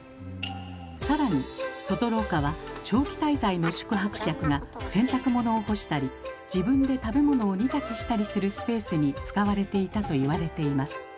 更に外廊下は長期滞在の宿泊客が洗濯物を干したり自分で食べ物を煮炊きしたりするスペースに使われていたと言われています。